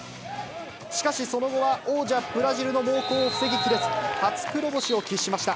しかし、その後は王者、ブラジルの猛攻を防ぎきれず、初黒星を喫しました。